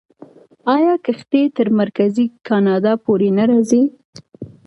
آیا کښتۍ تر مرکزي کاناډا پورې نه راځي؟